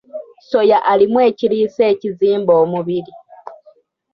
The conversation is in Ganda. Soya alimu ekiriisa ekizimba omubiri.